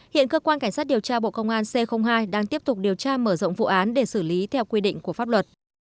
hiện cơ quan cảnh sát điều tra bộ công an c hai đang tiếp tục điều tra mở rộng vụ án để xử lý theo quy định của pháp luật